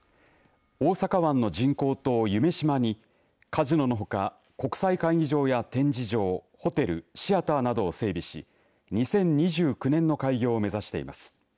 大阪湾の人工島、夢洲にカジノのほか国際会議場や展示場ホテル、シアターなどを整備し２０２９年の開業を目指しています。